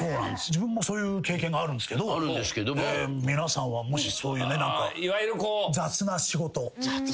自分もそういう経験があるんですけど皆さんはもしそういう雑な仕事。